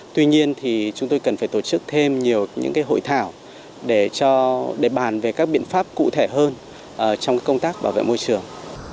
tuy nhiên thì chúng tôi cần phải tổ chức thêm nhiều những hội thảo để bàn về các biện pháp cụ thể hơn trong công tác bảo vệ môi trường